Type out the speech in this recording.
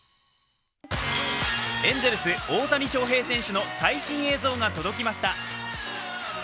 エンゼルス・大谷翔平選手の最新映像が届きました。